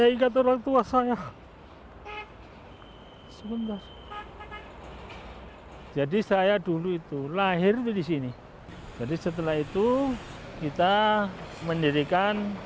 itu tempat orang orang di atas beda